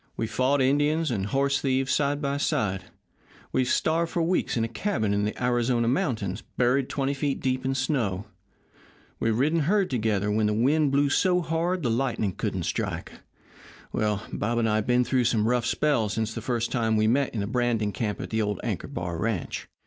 We've fought Indians and horse thieves side by side; we've starved for weeks in a cabin in the Arizona mountains, buried twenty feet deep in snow; we've ridden herd together when the wind blew so hard the lightning couldn't strike well, Bob and I have been through some rough spells since the first time we met in the branding camp of the old Anchor Bar ranch.